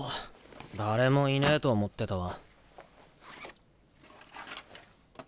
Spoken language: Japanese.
誰もいねぇと思ってたわ。